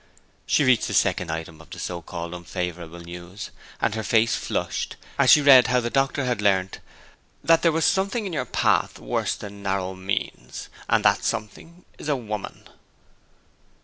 She reached the second item of the so called unfavourable news; and her face flushed as she read how the doctor had learnt 'that there was something in your path worse than narrow means, and that something is a woman.'